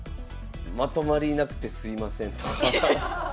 「まとまりなくてすいません」とか。